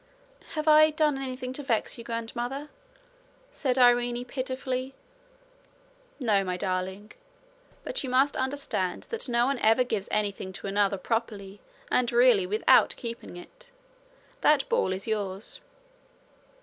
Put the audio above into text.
'Have I done anything to vex you, grandmother?' said Irene pitifully. 'No, my darling. But you must understand that no one ever gives anything to another properly and really without keeping it. That ball is yours.'